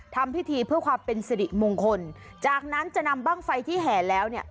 ทำพิธีเพื่อความเป็นสิริมงคลจากนั้นจะนำบ้างไฟที่แห่แล้วเนี่ย